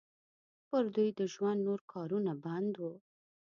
پر دوی د ژوند نور کارونه بند وو.